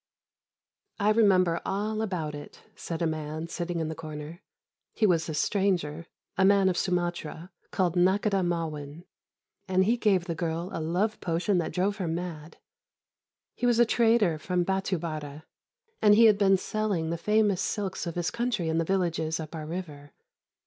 "I remember all about it," said a man, sitting in the corner; "he was a stranger, a man of Sumatra, called Nakhôdah Ma'win, and he gave the girl a love potion that drove her mad. He was a trader from Bâtu Bâra, and he had been selling the famous silks of his country in the villages up our river.